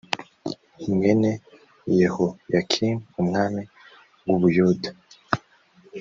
mwene yehoyakimu umwami w u buyuda